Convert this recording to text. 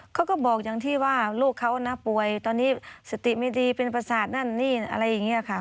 เขาก็บอกอย่างที่ว่าลูกเขานะป่วยตอนนี้สติไม่ดีเป็นประสาทนั่นนี่อะไรอย่างนี้ค่ะ